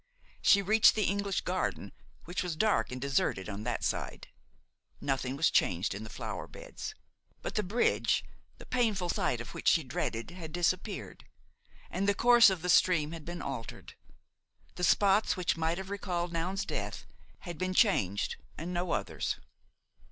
She reached the English garden, which was dark and deserted on that side. Nothing was changed in the flower beds; but the bridge, the painful sight of which she dreaded, had disappeared, and the course of the stream had been altered; the spots which might have recalled Noun's death had been changed, and no others.